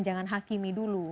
jangan hakimi dulu